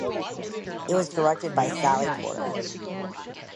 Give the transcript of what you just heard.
It was directed by Sally Potter.